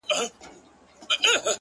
• هم انارګل وي هم نوبهار وي ,